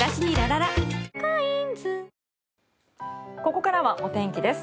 ここからはお天気です。